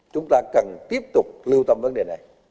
chúng ta cần tiếp tục lưu tâm vấn đề này